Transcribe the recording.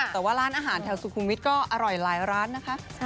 แต่ว่าร้านอาหารแถวสุขุมวิทย์ก็อร่อยหลายร้านนะคะ